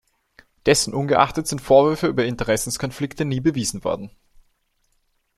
Dessen ungeachtet sind Vorwürfe über Interessenskonflikte nie bewiesen worden.